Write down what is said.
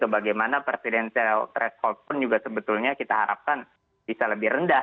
bagaimana presidensial threshold pun juga sebetulnya kita harapkan bisa lebih rendah